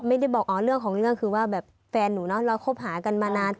ไม่ได้บอกอ๋อเรื่องของเรื่องคือว่าแบบแฟนหนูเนอะเราคบหากันมานาน